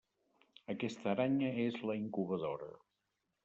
Aquesta aranya és la incubadora.